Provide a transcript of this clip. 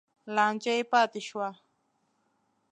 لانجه یې پاتې شوه.